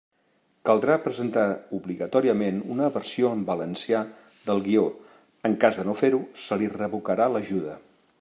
Caldrà presentar obligatòriament una versió en valencià del guió; en cas de no fer-ho, se li revocarà l'ajuda.